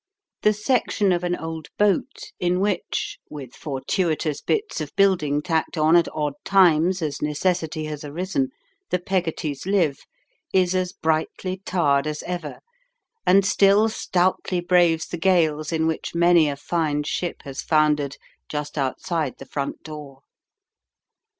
The section of an old boat in which, with fortuitous bits of building tacked on at odd times as necessity has arisen, the Peggottys live is as brightly tarred as ever, and still stoutly braves the gales in which many a fine ship has foundered just outside the front door.